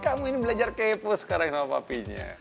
kamu ini belajar kepo sekarang sama papinya